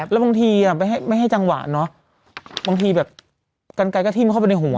และบางทีอ่ะไม่ให้ไม่ให้จำวะน้๋าบางทีแบบกัลไกลก็ทิ้งเข้าไปในหัว